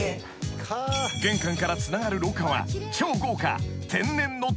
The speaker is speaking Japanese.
［玄関からつながる廊下は超豪華］